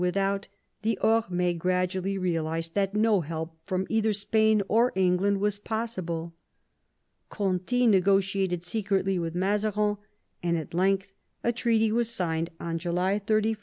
without, the Orm^e gradually realised that no help from either Spain or England was possible. Conti negotiated secretly with Mazarin, and at length a treaty was signed on July 31, 1653.